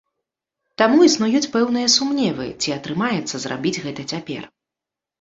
Таму існуюць пэўныя сумневы, ці атрымаецца зрабіць гэта цяпер.